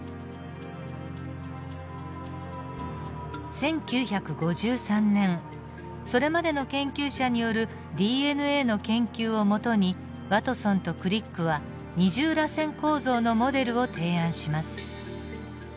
１９５３年それまでの研究者によるＤＮＡの研究を基にワトソンとクリックは二重らせん構造のモデルを提案します。